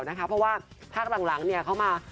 เพราะว่าภาพหลังเนี่ยเขามา